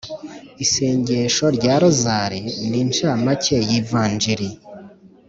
isengesho rya rozali ni incamake y’ivanjili